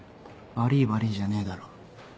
「悪ぃ悪ぃ」じゃねえだろ。